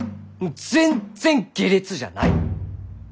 全然下劣じゃない！